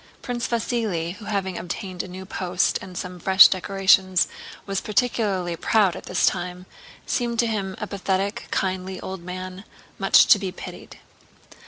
Prince Vasíli, who having obtained a new post and some fresh decorations was particularly proud at this time, seemed to him a pathetic, kindly old man much to be pitied.